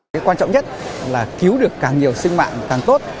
cái quan trọng nhất là cứu được càng nhiều sinh mạng càng tốt